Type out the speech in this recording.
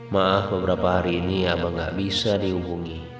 maaf beberapa hari ini abang nggak bisa dihubungi